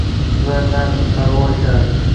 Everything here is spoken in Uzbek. Va na parvo etardi.